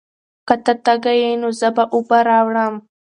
که ته تږی یې، نو زه به اوبه راوړم.